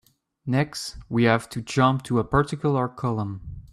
Next, we have to jump to a particular column.